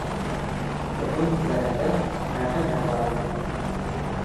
Уның һүҙҙәрендә мәғәнә бар ине.